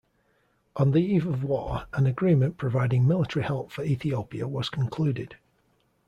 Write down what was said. On the eve of war, an agreement providing military help for Ethiopia was concluded.